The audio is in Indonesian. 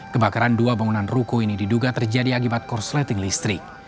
kebakaran dua bangunan ruko ini diduga terjadi akibat korsleting listrik